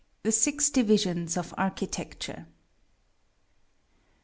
THE SIX DIVISIONS OF ARCHITECTURE.